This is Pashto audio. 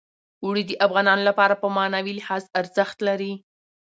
اوړي د افغانانو لپاره په معنوي لحاظ ارزښت لري.